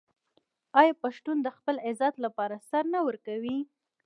آیا پښتون د خپل عزت لپاره سر نه ورکوي؟